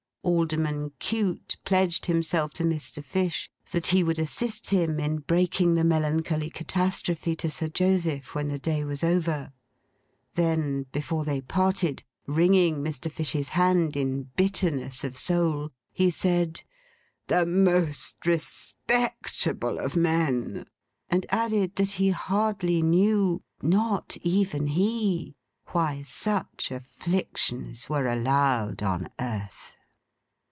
Alderman Cute pledged himself to Mr. Fish that he would assist him in breaking the melancholy catastrophe to Sir Joseph when the day was over. Then, before they parted, wringing Mr. Fish's hand in bitterness of soul, he said, 'The most respectable of men!' And added that he hardly knew (not even he), why such afflictions were allowed on earth.